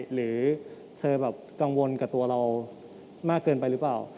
หรือเธอแบบกังวลกับตัวเรามากเกินไปหรือเปล่า